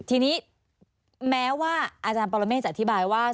ทีนี้แม้ว่าอาจารย์ปรเมฆจะอธิบายว่า